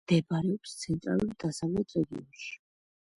მდებარეობს ცენტრალურ-დასავლეთ რეგიონში.